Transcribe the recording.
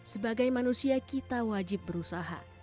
sebagai manusia kita wajib berusaha